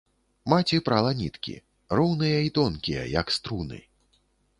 Маці прала ніткі, роўныя і тонкія, як струны.